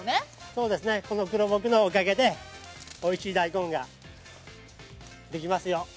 そうです、この黒ボク土のおかげでおいしい大根ができますよ。